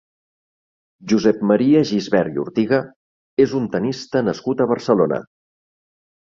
Josep Maria Gisbert i Ortiga és un tennista nascut a Barcelona.